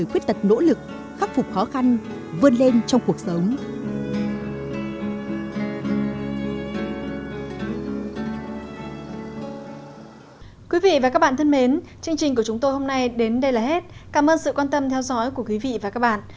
thưa quý vị và các bạn thân mến chương trình của chúng tôi hôm nay đến đây là hết cảm ơn sự quan tâm theo dõi của quý vị và các bạn